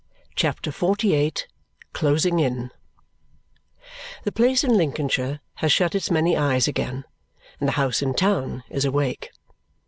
CHAPTER XLVIII Closing In The place in Lincolnshire has shut its many eyes again, and the house in town is awake.